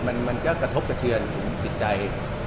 มันก็กระทบกระเทือนจิตใจ